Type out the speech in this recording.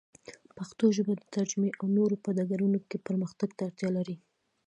پښتو ژبه د ترجمې او نورو په ډګرونو کې پرمختګ ته اړتیا لري.